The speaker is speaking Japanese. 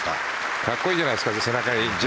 かっこいいじゃないですか。